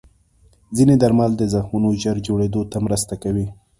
ځینې درمل د زخمونو ژر جوړېدو ته مرسته کوي.